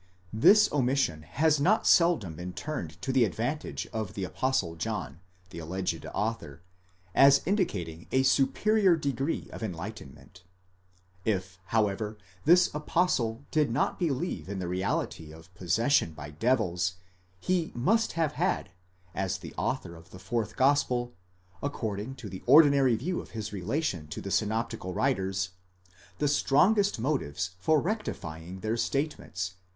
This omission has not seldom been turned to the advantage of the Apostle John, the alleged author, as indicating a superior degree of enlightenment.®3 If however this apostle did not believe in the reality of possession by devils, he must have had, as the author of the fourth gospel, according to the ordinary view of his relation to the synoptical writers, the strongest motives for rectifying their statements